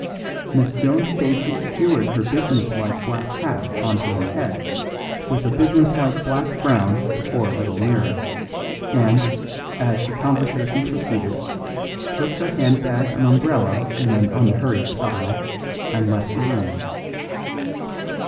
Miss Joan Stacey skewered her business like black hat on to her head with a business like black frown before a little mirror, and, as the conversation proceeded, took her handbag and umbrella in an unhurried style, and left the room.